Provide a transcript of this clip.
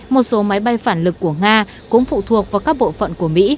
một số máy bay phản lực của nga cũng phụ thuộc vào các bộ phận của mỹ